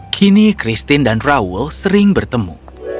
kini christine dan raul sering bertemu